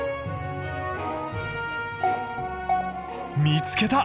見つけた！